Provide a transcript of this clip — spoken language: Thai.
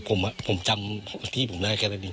ผมอ่ะผมจำที่ผมได้แค่แบบนี้